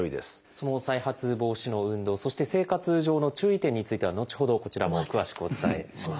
その再発防止の運動そして生活上の注意点については後ほどこちらも詳しくお伝えします。